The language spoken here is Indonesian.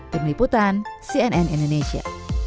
pemiliputan cnn indonesia